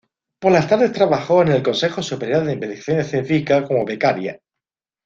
Por la tardes trabajó en el Consejo Superior de Investigaciones Científicas como becaria.